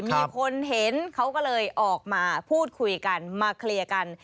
มีคนเห็นเขาก็เลยออกมาพูดคุยกันมาเคลียร์กัน